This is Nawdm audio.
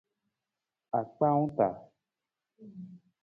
Akpaawung taa.